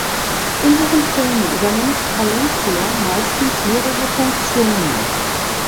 In ihren Filmen übernimmt Palencia meistens mehrere Funktionen.